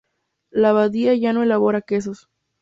La abadía ya no elabora quesos.